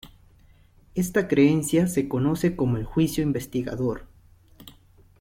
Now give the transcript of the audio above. Esta creencia se conoce como el juicio investigador.